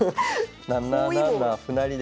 ７七歩成で。